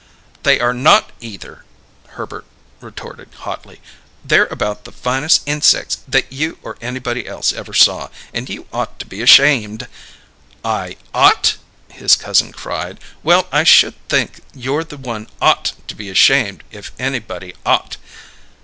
"They are not, either!" Herbert retorted hotly. "They're about the finest insecks that you or anybody else ever saw, and you ought to be ashamed " "I ought?" his cousin cried. "Well, I should think you're the one ought to be ashamed, if anybody ought!